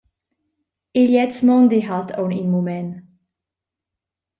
E gliez mondi halt aunc in mument.